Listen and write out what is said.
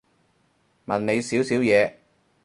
問你少少嘢